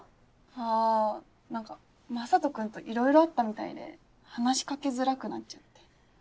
あぁ何か雅人君といろいろあったみたいで話しかけづらくなっちゃって。